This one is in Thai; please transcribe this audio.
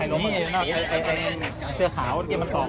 มีผู้ที่ได้รับบาดเจ็บและถูกนำตัวส่งโรงพยาบาลเป็นผู้หญิงวัยกลางคน